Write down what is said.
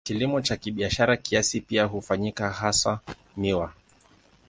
Kilimo cha kibiashara kiasi pia hufanyika, hasa miwa.